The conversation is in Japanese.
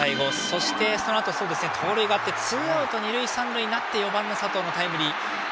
そしてそのあと盗塁があってツーアウト二塁三塁になって４番の佐藤のタイムリー。